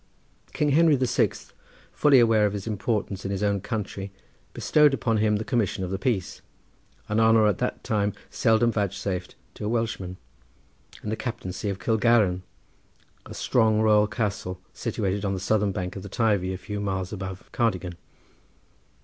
King Henry the Sixth, fully aware of his importance in his own country, bestowed upon him the commission of the peace, an honour at that time seldom vouchsafed to a Welshman, and the captaincy of Kilgarran, a strong royal castle situated on the southern bank of the Teivi a few miles above Cardigan.